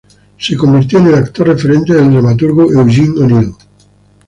Se convirtió en el actor referente del dramaturgo Eugene O'Neill.